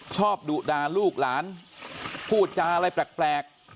ดุด่าลูกหลานพูดจาอะไรแปลก